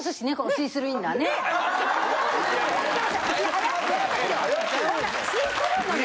シースルーのね